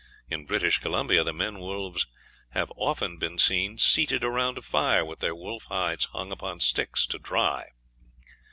In British Columbia the men wolves have often been seen seated around a fire, with their wolf hides hung upon sticks to dry!